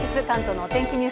関東のお天気